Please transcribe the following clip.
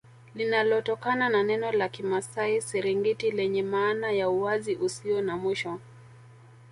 Linalotokana na neno la kimasai Siringiti lenye maana ya uwazi usio na mwisho